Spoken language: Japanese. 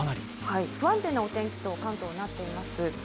不安定なお天気と、関東なっています。